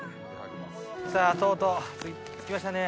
さあとうとう着きましたね。